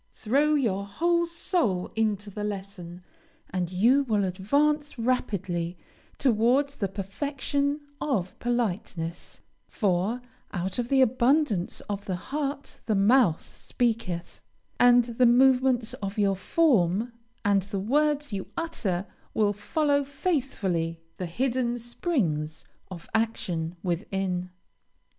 Throw your whole soul into the lesson, and you will advance rapidly towards the perfection of politeness, for "out of the abundance of the heart the mouth speaketh," and the movements of your form and the words you utter will follow faithfully the hidden springs of action within.